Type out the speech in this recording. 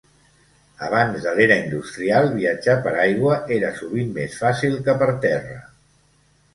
Abans de l'era industrial, viatjar per aigua era sovint més fàcil que per terra.